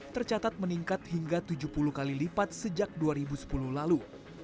tercatat meningkat hingga tujuh puluh kali lipat sejak dua ribu sepuluh lalu